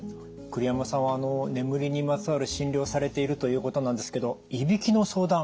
栗山さんは眠りにまつわる診療をされているということなんですけどいびきの相談